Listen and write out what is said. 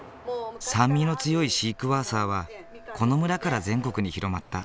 酸味の強いシークワーサーはこの村から全国に広まった。